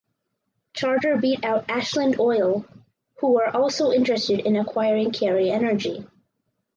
Charter beat out Ashland Oil who were also interested in acquiring Carey Energy.